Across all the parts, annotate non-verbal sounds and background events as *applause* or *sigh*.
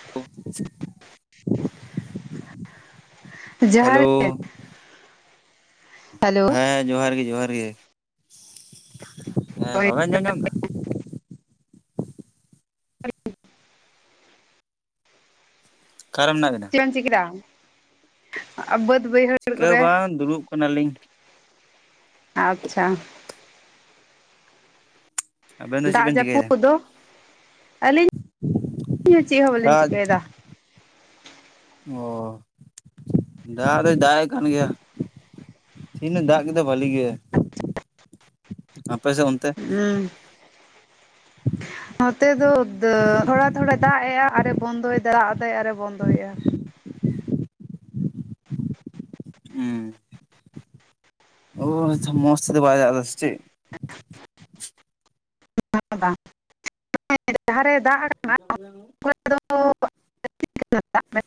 *inaudible* ᱡᱚᱦᱟᱨ ᱜᱮ᱾ ᱦᱮᱞᱳ ᱦᱮᱸ ᱡᱚᱦᱟᱨ ᱜᱮ ᱡᱚᱦᱟᱨ ᱜᱮ ᱦᱮᱸ ᱦᱳᱭ ᱵᱟᱵᱮᱱ ᱟᱡᱚᱢ ᱧᱟᱢᱫᱟ᱾ ᱚᱠᱟᱨᱮ ᱢᱮᱱᱟᱜ ᱵᱮᱱᱟ᱾ ᱪᱮᱫᱮᱢ ᱪᱤᱠᱟᱹ ᱫᱟᱢ? ᱟᱨ ᱵᱟᱹᱫᱽ ᱵᱟᱹᱭ ᱪᱤᱠᱟᱹ ᱦᱚᱸ ᱵᱟᱝ ᱫᱩᱲᱩᱵ ᱠᱟᱱᱟ ᱞᱤᱧ᱾ ᱟᱪᱪᱷᱟ᱾ ᱟᱵᱮᱱ ᱫᱚ ᱪᱮᱫ ᱫᱟᱜ ᱵᱮᱱ ᱡᱟᱯᱩᱫ ᱪᱤᱠᱟᱹᱭᱮᱫᱟ? ᱠᱚ ᱫᱚ ᱟᱹᱞᱤᱧ ᱪᱮᱜ ᱦᱚᱸ ᱵᱟᱞᱤᱧ ᱫᱟᱜ ᱪᱤᱠᱟᱹᱭᱫᱟ᱾ ᱚ ᱫᱟᱜ ᱫᱚᱭ ᱫᱟᱜᱮᱜ ᱠᱟᱱ ᱜᱮᱭᱟ᱾ ᱛᱤᱦᱤᱧᱮ ᱫᱟᱜ ᱠᱮᱫᱟ ᱵᱷᱟᱞᱤ ᱜᱮ ᱟᱯᱮ ᱥᱮᱜ ᱚᱱᱛᱮ? ᱦᱩᱸ᱾ ᱱᱚᱛᱮ ᱫᱚ ᱛᱷᱚᱲᱟ ᱛᱷᱚᱲᱟ ᱫᱟᱜᱮᱜ-ᱟ ᱟᱨᱮ ᱵᱚᱱᱫᱚᱭᱫᱟ ᱫᱟᱜ ᱮᱫᱟ ᱟᱨᱮ ᱵᱚᱱᱫᱚᱭᱮᱜ-ᱟ᱾ ᱦᱩᱸ᱾ ᱚ ᱟᱪᱪᱷᱟ ᱢᱚᱥ ᱛᱮᱫᱚ ᱵᱟᱭ ᱫᱟᱜ ᱮᱫᱟ ᱥᱮ ᱪᱮᱫ? *unintelligible* ᱡᱟᱦᱟᱨᱮ ᱫᱟᱜ ᱠᱟ *unintelligible* *unintelligible*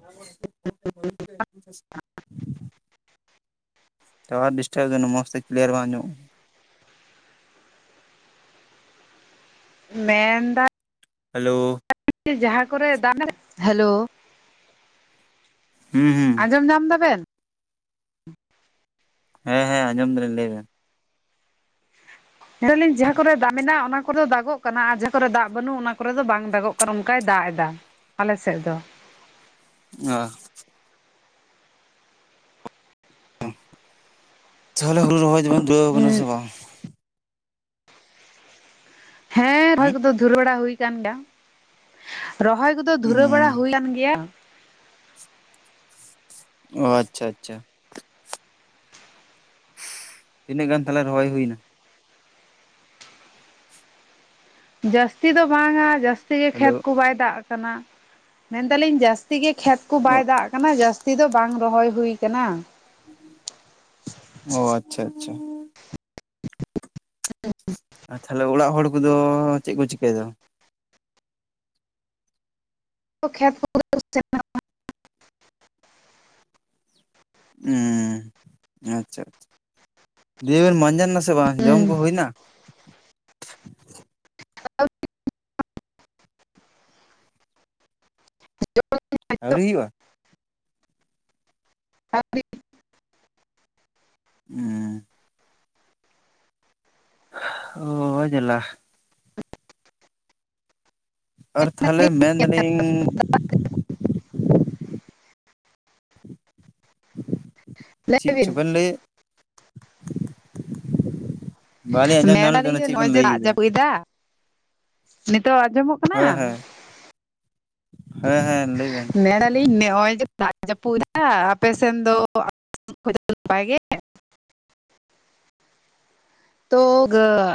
*unintelligible* ᱴᱟᱣᱟᱨ ᱰᱤᱥᱴᱟᱯᱫ ᱮᱫᱟ ᱢᱚᱡᱽ ᱛᱮ ᱠᱞᱤᱭᱟᱨ ᱵᱟᱝ ᱟᱡᱚᱢᱚᱜ ᱢᱮᱱᱫᱟ ᱦᱮᱞᱳ ᱡᱟᱦᱟᱸ ᱠᱚᱨᱮ ᱫᱟᱜ, ᱦᱮᱞᱳ ᱦᱩᱸ ᱦᱩᱸ᱾ ᱟᱡᱚᱢ ᱧᱟᱢ ᱫᱟᱵᱮᱱ? *inaudible* ᱦᱮᱸ ᱦᱮᱸ ᱟᱸᱡᱚᱢ ᱫᱟᱞᱤᱧ ᱞᱟᱹᱭ ᱵᱮᱱ᱾ ᱦᱮᱸ ᱞᱟᱹᱭ ᱫᱟᱞᱤᱧ ᱡᱟᱦᱟᱸ ᱠᱚᱨᱮ ᱫᱟᱜ ᱢᱮᱱᱟᱜ-ᱟ ᱚᱱᱟ ᱠᱚᱨᱮ ᱫᱚ ᱫᱟᱜᱚᱜ ᱠᱟᱱᱟ ᱟᱨ ᱡᱟᱦᱟᱸ ᱠᱚᱨᱮ ᱫᱟᱜ ᱵᱟᱹᱱᱩᱜ-ᱟ ᱚᱱᱟ ᱠᱚᱨᱮ ᱫᱚ ᱵᱟᱝ ᱫᱟᱜᱚᱜ ᱠᱟᱱᱟ᱾ ᱚᱱᱠᱟᱭ ᱫᱟᱜ ᱮᱫᱟ ᱟᱞᱮ ᱥᱮᱫ ᱫᱚ᱾ ᱚ᱾ ᱛᱟᱦᱞᱮ ᱦᱩᱲᱩ ᱨᱚᱦᱚᱭ ᱫᱚᱵᱮᱱ ᱫᱷᱩᱨᱟᱹᱣ ᱠᱟᱱᱟ ᱥᱮ ᱵᱟᱝ? ᱦᱮᱸ, ᱦᱩᱸ ᱨᱚᱦᱚᱭ ᱠᱚᱫᱚ ᱫᱷᱩᱨᱟᱹᱣ ᱵᱟᱲᱟ ᱦᱩᱭ ᱟᱠᱟᱱ ᱜᱮᱭᱟ ᱨᱚᱦᱚᱭ ᱠᱚᱫᱚ ᱫᱚ ᱫᱷᱩᱨᱟᱹ ᱵᱟᱲᱟ ᱦᱩᱭ ᱦᱩᱸ ᱠᱟᱱ ᱜᱮᱭᱟ᱾ ᱚ ᱟᱪᱪᱷᱟ ᱟᱪᱪᱷᱟ᱾ ᱛᱤᱱᱟᱹᱜ ᱜᱟᱱ ᱛᱟᱦᱞᱮᱮ ᱨᱚᱦᱚᱭ ᱦᱩᱭᱱᱟ? ᱡᱟᱹᱥᱛᱤ ᱫᱚ ᱵᱟᱝᱟ ᱡᱟᱹᱥᱛᱤ ᱜᱮ ᱦᱮᱞᱳ ᱠᱷᱮᱛ ᱠᱩ ᱵᱟᱭ ᱫᱟᱜ ᱠᱟᱱᱟ ᱢᱮᱱ ᱫᱟᱞᱤᱧ ᱡᱟᱥ ᱛᱤ ᱜᱮ ᱠᱷᱮᱛ ᱠᱚ ᱵᱟᱭ ᱫᱟᱜ ᱠᱟᱱᱟ ᱡᱟᱥᱛᱤ ᱫᱚ ᱵᱟᱝ ᱨᱚᱦᱚᱭ ᱦᱩᱭ ᱠᱟᱱᱟ᱾ ᱚ ᱟᱪᱪᱷᱟ ᱟᱪᱪᱷᱟ᱾ ᱟᱨ ᱛᱟᱦᱚᱞᱮ ᱚᱲᱟᱜ ᱦᱚᱲ ᱠᱚᱫᱚ ᱪᱮᱜ ᱠᱚ ᱪᱤᱠᱟᱹᱭ ᱫᱟ? ᱠᱷᱮᱛ ᱠᱚ ᱯᱩᱨᱟᱹ ᱩᱸ ᱟᱪᱪᱷᱟ ᱟᱪᱪᱷᱟ ᱫᱤᱭᱤᱵᱤᱱ ᱢᱟᱸᱡᱟᱱ ᱱᱟ ᱥᱮ ᱵᱟᱝ ᱡᱚᱢ ᱠᱩ ᱦᱩᱭᱱᱟ? *unintelligible* ᱟᱹᱣᱨᱤ ᱦᱩᱭᱩᱜᱼᱟ? *unintelligible* ᱟᱣᱨᱤ᱾ ᱦᱩᱸ᱾ ᱳ ᱡᱟᱞᱟ᱾ ᱟᱨ ᱛᱟᱦᱚᱞᱮ ᱢᱮᱱ ᱫᱟᱞᱤᱧ ᱞᱟᱹᱭ ᱪᱤᱜ ᱵᱤᱱ ᱪᱚᱵᱮᱱ ᱞᱟᱹᱭᱮᱫ᱾ ᱵᱟᱞᱤᱧ ᱟᱸᱡᱚᱢ ᱢᱮᱱ ᱧᱟᱢ ᱞᱮᱫ ᱫᱟᱞᱤᱧ ᱛᱟᱵᱮᱱᱟ ᱡᱮ ᱪᱮᱫ ᱱᱚᱜ-ᱚᱭ ᱵᱮᱱ ᱡᱮ ᱞᱟᱹᱭ ᱫᱟᱜ ᱠᱮᱫᱟ ᱡᱟᱹᱯᱩᱫ ᱮᱫᱟ᱾ ᱱᱤᱛᱚᱜ ᱟᱸᱡᱚᱢᱚᱜ ᱦᱮᱸ ᱠᱟᱱᱟ? ᱦᱮᱸ ᱦᱮᱸ ᱦᱮᱸ ᱞᱟᱹᱭᱵᱤᱱ᱾ ᱢᱮᱱᱟᱞᱤᱧ ᱱᱚᱜᱼᱚᱭ ᱡᱮ ᱫᱟᱜ ᱡᱟᱹᱯᱩᱫ ᱫᱟ ᱟᱯᱮ ᱥᱮᱱ ᱫᱚ *unintelligible*